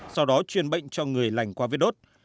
sau đó truyền bệnh cho người lành qua viết đốt